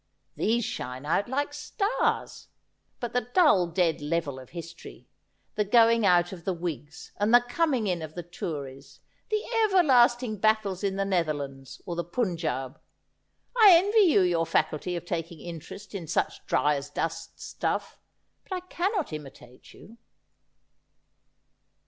These shine out like stars. But the dull dead level of history — the going out of the Whigs and the coming in of the Tories, the everlasting battles in the Netherlands or the Punjaub ! I envy you your faculty of taking interest in such dry as dust stuJf, but I cannot imitate you.'